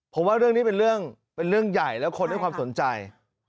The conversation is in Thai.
ผมว่าเรื่องนี้เป็นเรื่องใหญ่แล้วคนให้ความสนใจ